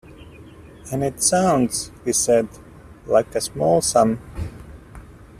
"And it sounds" he said, "like a small sum."